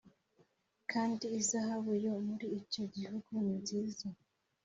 kandi izahabu yo muri icyo gihugu ni nziza